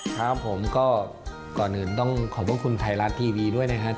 ครับผมก็ก่อนอื่นต้องขอบพระคุณไทยรัฐทีวีด้วยนะครับ